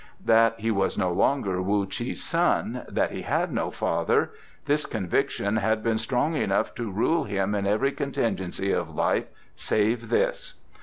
That he was no longer Wu Chi's son, that he had no father this conviction had been strong enough to rule him in every contingency of life save this.